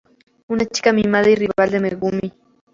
Una chica mimada y rival de Megumi.